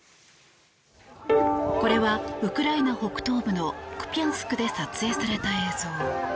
これは、ウクライナ北東部のクピャンスクで撮影された映像。